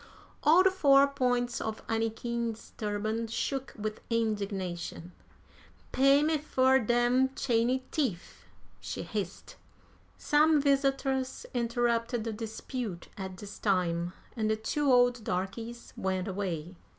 All the four points of Anniky's turban shook with indignation. "Pay me fur dem chany teef!" she hissed. Some visitors interrupted the dispute at this time, and the two old darkies went away.